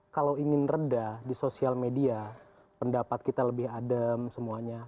menreda di sosial media pendapat kita lebih adem semuanya